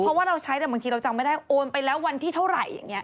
เพราะว่าเราใช้แต่บางทีเราจำไม่ได้โอนไปแล้ววันที่เท่าไหร่อย่างนี้